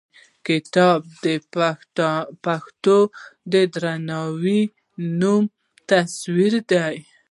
کتاب: دی د پښتون د درناوي نوی تصوير دی.